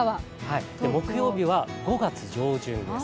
木曜日は５月上旬です。